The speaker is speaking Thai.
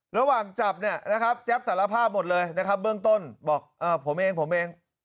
ระหว่างจับแจ๊บสารภาพหมดเลยเบื้องต้นบอกผมเองผมเอง